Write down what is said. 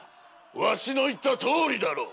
わしの言ったとおりだろ。